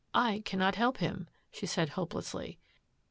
I can not help him," she said hopelessly.